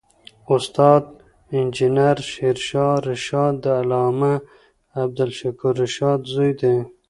استاد انجینر شېرشاه رشاد د علامه عبدالشکور رشاد زوی دی